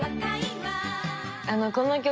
この曲